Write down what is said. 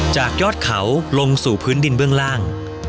จากยอดเขาลงสู่พื้นดินเบื้องล่าง